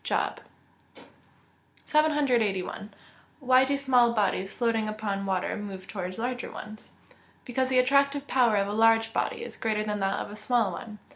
JOB XXVI.] 781. Why do small bodies floating upon water move towards larger ones? Because the attractive power of a large body is greater than that of a small one.